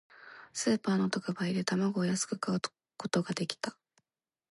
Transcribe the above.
スーパーの特売で、卵を安く買うことができた。